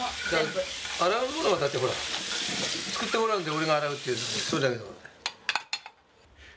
洗う物はだってほら作ってもらうんで俺が洗うっていうそれだけの事だよ。